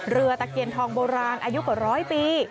เรือตะเคียนทองโบราณอายุกว่า๑๐๐ปี